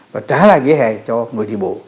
và trả lại vẻ hè cho người thị bộ